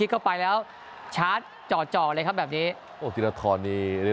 เข้าไปแล้วจ่อจ่อเลยครับแบบนี้โอ้ทีรศิลป์นี้เรื่องว่า